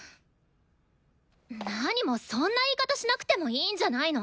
なにもそんな言い方しなくてもいいんじゃないの？